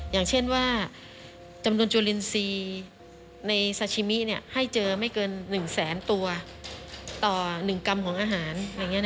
อย่างเช่นว่าจำนวนจุลินทรีย์ในซาชิมิให้เจอไม่เกิน๑แสนตัวต่อ๑กรัมของอาหาร